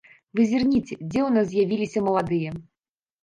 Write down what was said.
Вы зірніце, дзе ў нас з'явіліся маладыя.